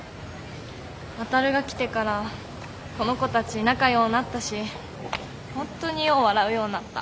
航が来てからこの子たち仲良うなったしほんとによう笑うようになった。